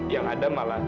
tapi pada akhirnya